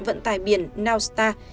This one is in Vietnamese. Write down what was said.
vận tải biển nowstar